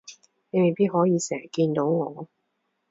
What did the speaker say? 你未必可以成日見到我